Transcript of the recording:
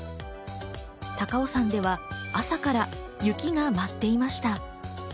高尾山では朝から雪が舞っていました。